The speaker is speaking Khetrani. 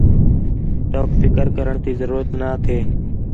توک فکر کرݨ تی ضرورت نا تھے